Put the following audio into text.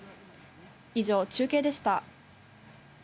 以上、中継でした。